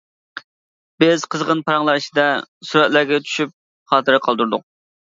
بىز قىزغىن پاراڭلار ئىچىدە سۈرەتلەرگە چۈشۈپ خاتىرە قالدۇردۇق.